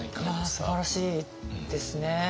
いやすばらしいですね。